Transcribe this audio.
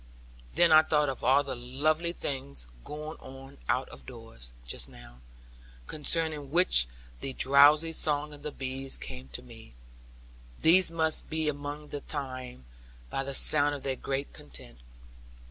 Then I thought of all the lovely things going on out of doors just now, concerning which the drowsy song of the bees came to me. These must be among the thyme, by the sound of their great content.